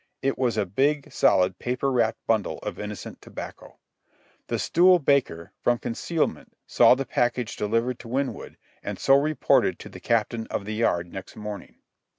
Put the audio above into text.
It was a big, solid, paper wrapped bundle of innocent tobacco. The stool baker, from concealment, saw the package delivered to Winwood and so reported to the Captain of the Yard next morning.